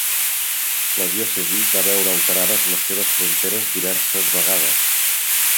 La diòcesi va veure alterades les seves fronteres diverses vegades.